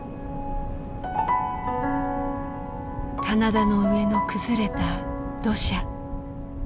棚田の上の崩れた土砂。